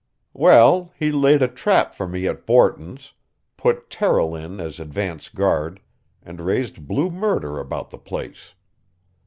"Well, he laid a trap for me at Borton's, put Terrill in as advance guard, and raised blue murder about the place."